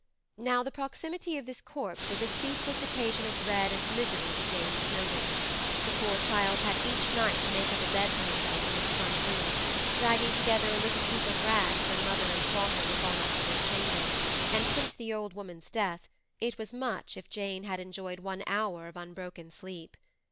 Now the proximity of this corpse was a ceaseless occasion of dread and misery to Jane Snowdon; the poor child had each night to make up a bed for herself in this front room, dragging together a little heap of rags when mother and daughter were gone up to their chamber, and since the old woman's death it was much if Jane had enjoyed one hour of unbroken sleep.